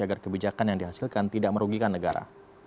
agar kebijakan yang dihasilkan tidak merugikan negara